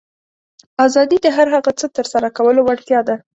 آزادي د هر هغه څه ترسره کولو وړتیا ده.